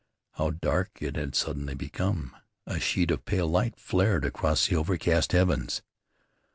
How dark it had suddenly become! A sheet of pale light flared across the overcast heavens.